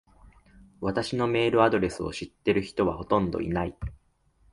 私のメールアドレスを知ってる人はほとんどいない。